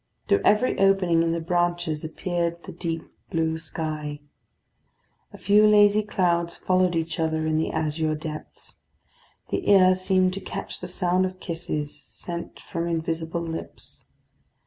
Through every opening in the branches appeared the deep blue sky. A few lazy clouds followed each other in the azure depths. The ear seemed to catch the sound of kisses sent from invisible lips.